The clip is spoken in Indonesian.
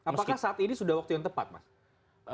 apakah saat ini sudah waktu yang tepat mas